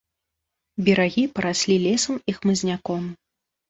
Берагі параслі лесам і хмызняком.